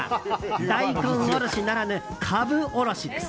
大根おろしならぬカブおろしです。